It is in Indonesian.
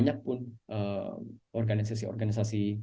banyak pun organisasi organisasi